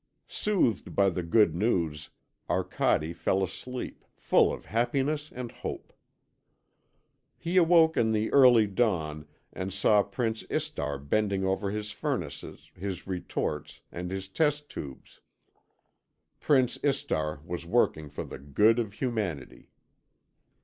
Soothed by the good news, Arcade fell asleep, full of happiness and hope. He awoke in the early dawn and saw Prince Istar bending over his furnaces, his retorts, and his test tubes. Prince Istar was working for the good of humanity.